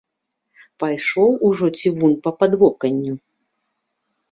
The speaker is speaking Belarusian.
Пайшоў ужо цівун па падвоканню!